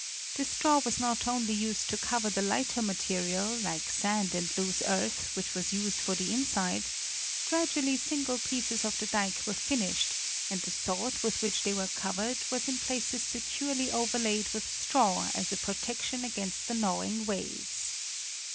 This straw was not only used to cover the lighter material, like sand and loose earth, which was used for the inside; gradually single pieces of the dike were finished, and the sod with which they were covered was in places securely overlaid with straw as a protection against the gnawing waves.